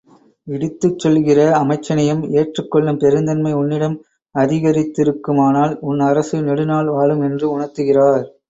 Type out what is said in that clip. இடித்துச் சொல்லுகிற அமைச்சனையும் ஏற்றுக்கொள்ளும் பெருந்தன்மை உன்னிடம் அதிகரித்திருக்குமானால், உன் அரசு நெடுநாள் வாழும் என்று உணர்த்துகிறார்.